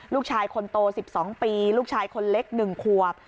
ลูกชายคนโต๑๒ปีลูกชายคนเล็ก๑ขวบ